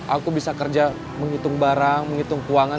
aku bisa kerja menghitung barang menghitung keuangan